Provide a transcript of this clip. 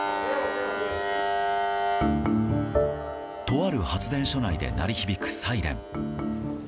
とある発電所内で鳴り響くサイレン。